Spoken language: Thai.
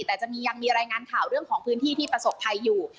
แต่จะมียังมีรายงานข่าวเรื่องของพื้นที่ที่ประสบภัยอยู่